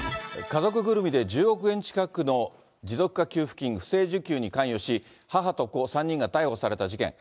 家族ぐるみで１０億円近くの持続化給付金不正受給に関与し、母と子３人が逮捕された事件。